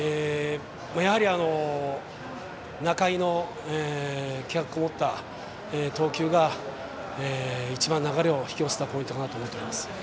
やはり仲井の気迫のこもった投球が一番、流れを引き寄せたポイントかなと思っております。